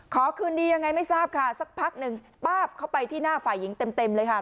ขอคืนดียังไงไม่ทราบค่ะสักพักหนึ่งป้าบเข้าไปที่หน้าฝ่ายหญิงเต็มเลยค่ะ